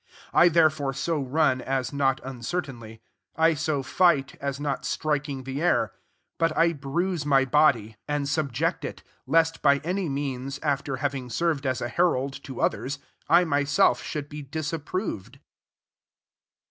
26 I there fore so run, as not uncertainly ; I so fight, as not striking the air : 27 but I bruise my body, £82 1 CORINTHIANS X and subject it: lest by any means, after having served as a herald to others, I myself should be disapproved.